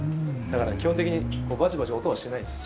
だから基本的にバチバチ音がしない。